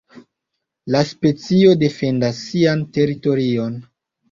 La specio defendas sian teritorion.